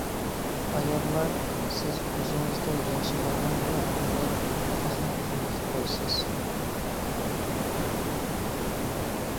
ئاياللار: سىز ئۆزىڭىزگە ياخشى بولغاندىلا ئاندىن تېخىمۇ قىممەتلىك بولىسىز.